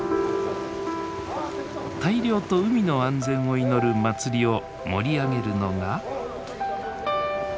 大漁と海の安全を祈る祭りを盛り上げるのが。